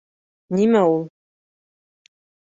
Нимә ул?